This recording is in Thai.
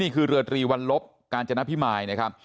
นี่คือเรือตรีวันลบการจะนับพิมายนะครับ